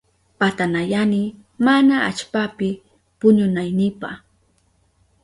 Patanayani mana allpapi puñunaynipa.